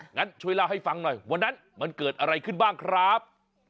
งั้นช่วยเล่าให้ฟังหน่อยวันนั้นมันเกิดอะไรขึ้นบ้างครับ